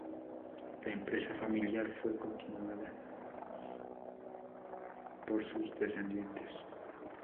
La empresa familiar fue continuada por sus descendientes.